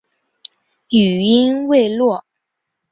语音未落